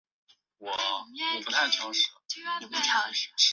他几乎终生在哥伦比亚大学教育学院执教。